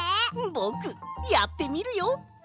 ぼくやってみるよ！